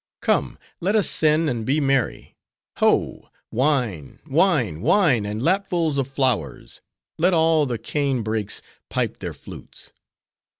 "Come! let us sin, and be merry. Ho! wine, wine, wine! and lapfuls of flowers! let all the cane brakes pipe their flutes.